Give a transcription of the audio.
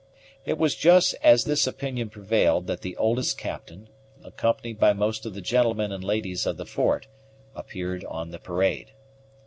It was just as this opinion prevailed that the oldest captain, accompanied by most of the gentlemen and ladies of the fort, appeared on the parade.